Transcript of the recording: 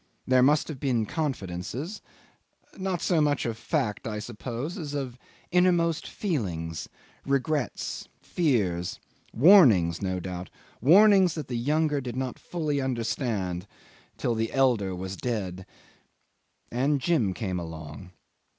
There must have been confidences, not so much of fact, I suppose, as of innermost feelings regrets fears warnings, no doubt: warnings that the younger did not fully understand till the elder was dead and Jim came along.